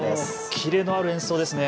きれのある演奏ですね。